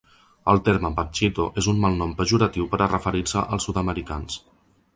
El terme ‘panchito’ és un malnom pejoratiu per a referir-se als sud-americans.